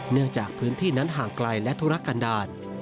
เนื่องจากพื้นที่นั้นห่างไกลและธุรกันดาล